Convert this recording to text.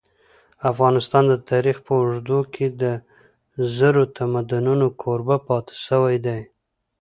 افغانستان د تاریخ په اوږدو کي د زرو تمدنونو کوربه پاته سوی دی.